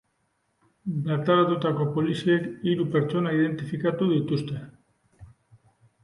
Bertaratutako poliziek hiru pertsona identifikatu dituzte.